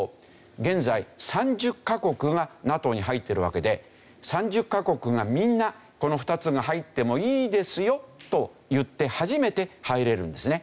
現在３０カ国がＮＡＴＯに入ってるわけで３０カ国がみんなこの２つが入ってもいいですよと言って初めて入れるんですね。